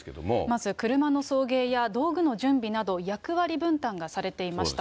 まず車の送迎や道具の準備など、役割分担がされていました。